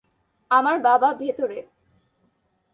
আমার বাবা ভেতরে।